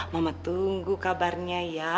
mama tunggu kabarnya ya